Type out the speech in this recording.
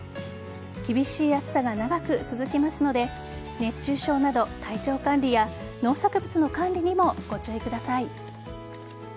厳しい暑さが長く続きますので熱中症など体調管理や農作物の管理にもご注意ください。